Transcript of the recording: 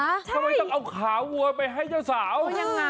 ทำไมต้องเอาขาวัวไปให้เจ้าสาวยังไง